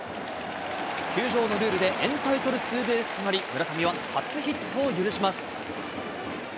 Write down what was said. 球場のルールでエンタイトルツーベースとなり、村上は初ヒットを許します。